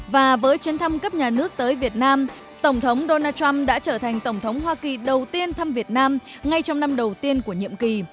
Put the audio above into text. và với chuyến thăm cấp nhà nước tới việt nam tổng thống donald trump đã trở thành tổng thống hoa kỳ đầu tiên thăm việt nam ngay trong năm đầu tiên của nhiệm kỳ